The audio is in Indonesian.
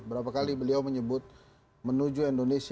berapa kali beliau menyebut menuju indonesia